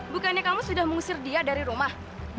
bukannya kamu sudah mengusir dia dari rumah